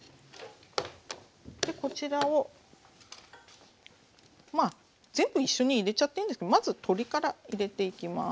こちらをまあ全部一緒に入れちゃっていいんですけどまず鶏から入れていきます。